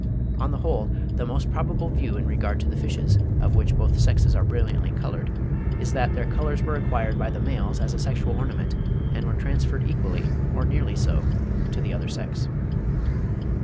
On the whole, the most probable view in regard to the fishes, of which both sexes are brilliantly coloured, is that their colours were acquired by the males as a sexual ornament, and were transferred equally, or nearly so, to the other sex.